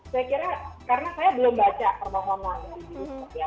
saya kira karena saya belum baca permohonannya